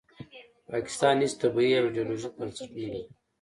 پاکستان هیڅ طبیعي او ایډیالوژیک بنسټ نلري